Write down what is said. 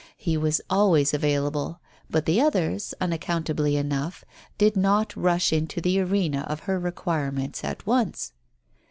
He was always available, but the others, unac countably enough, did not rush into the arena of her requirements at once.